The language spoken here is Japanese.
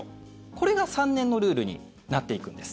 これが３年のルールになっていくんです。